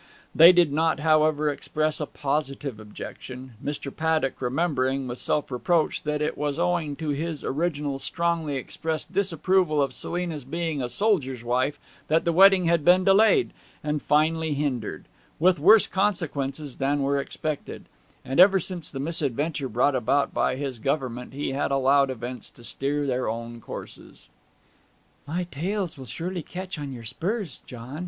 They did not, however, express a positive objection, Mr. Paddock remembering, with self reproach, that it was owing to his original strongly expressed disapproval of Selina's being a soldier's wife that the wedding had been delayed, and finally hindered with worse consequences than were expected; and ever since the misadventure brought about by his government he had allowed events to steer their own courses. 'My tails will surely catch in your spurs, John!'